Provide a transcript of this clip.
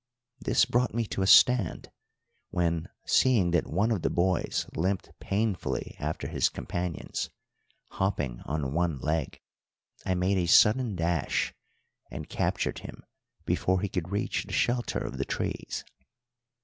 This brought me to a stand, when, seeing that one of the boys limped painfully after his companions, hopping on one leg, I made a sudden dash and captured him before he could reach the shelter of the trees.